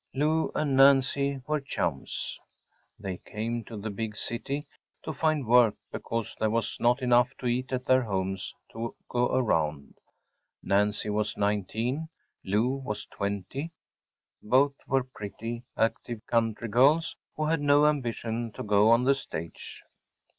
‚ÄĚ Lou and Nancy were chums. They came to the big city to find work because there was not enough to eat at their homes to go around. Nancy was nineteen; Lou was twenty. Both were pretty, active, country girls who had no ambition to go on the stage.